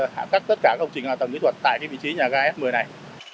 hạ cắt tất cả các công trình hạ tầng kỹ thuật tại vị trí nhà ga s một mươi này